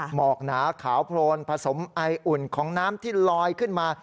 หมอกหนาขาวโพลนผสมไออุ่นของน้ำที่ลอยขึ้นมา